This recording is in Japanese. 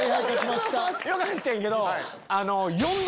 よかってんけど。